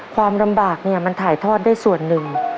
ความลำบากเนี่ยมันถ่ายทอดได้ส่วนหนึ่ง